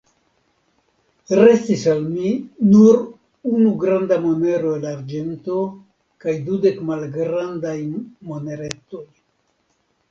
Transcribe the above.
Restis al mi nur unu granda monero el arĝento kaj dudek malgrandaj moneretoj.